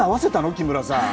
木村さん。